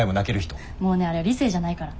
もうねあれは理性じゃないから。